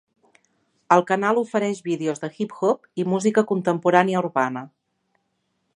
El canal ofereix vídeos de hip-hop i música contemporània urbana.